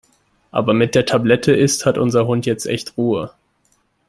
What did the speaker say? Aber mit der Tablette ist hat unser Hund jetzt echt Ruhe.